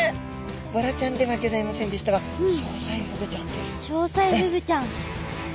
ボラちゃんではギョざいませんでしたがショウサイフグちゃんです。